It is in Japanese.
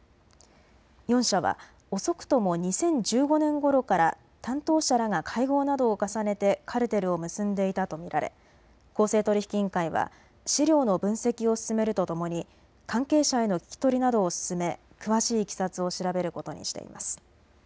４社は遅くとも２０１５年ごろから担当者らが会合などを重ねてカルテルを結んでいたと見られ公正取引委員会は資料の分析を進めるとともに関係者への聞き取りなどを進め詳しいいきさつを調べることにしています。